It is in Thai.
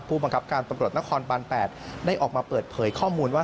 ผู้บังคับการตำรวจนครบาน๘ได้ออกมาเปิดเผยข้อมูลว่า